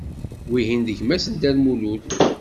Wihin d gma-s n Dda Lmulud.